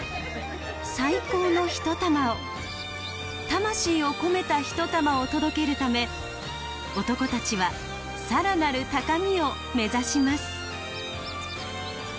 最高の一玉を魂を込めた一玉を届けるため男たちはさらなる高みを目指します。